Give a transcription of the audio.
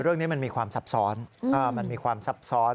เรื่องนี้มันมีความซับซ้อนมันมีความซับซ้อน